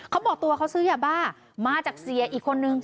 เขาบอกตัวเขาซื้อยาบ้ามาจากเสียอีกคนนึง